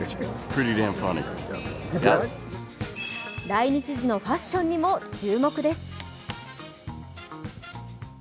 来日時のファッションにも注目です。